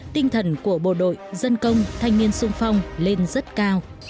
tinh thần của bộ đội dân công thanh niên sung phong lên rất cao